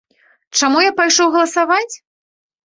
Чаму я пайшоў галасаваць?